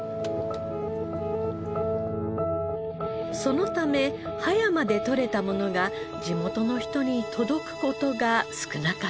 そのため葉山でとれたものが地元の人に届く事が少なかったのです。